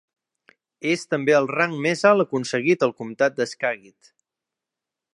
És també el rang més alt aconseguit al comtat de Skagit.